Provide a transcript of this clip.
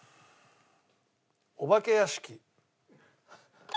お化け屋敷。